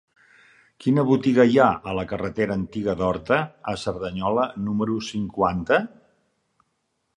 Quina botiga hi ha a la carretera Antiga d'Horta a Cerdanyola número cinquanta?